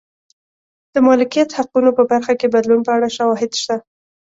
د مالکیت حقونو په برخه کې بدلون په اړه شواهد شته.